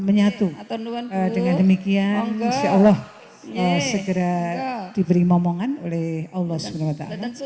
menyatu dengan demikian insya allah segera diberi momongan oleh allah swt